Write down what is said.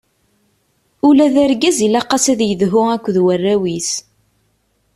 Ula d argaz ilaq-as ad yedhu akked warraw-is.